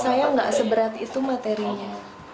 saya nggak seberat itu materinya